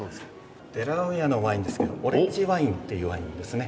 デラウェアのワインですけどオレンジワインっていうワインですね。